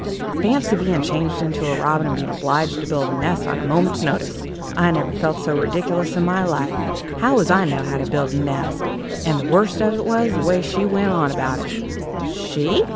Fancy being changed into a robin, and being obliged to build a nest at a moment's notice! I never felt so ridiculous in my life. How was I to know how to build a nest! And the worst of it was the way she went on about it." "She!"